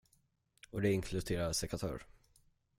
Och det inkluderar sekatör.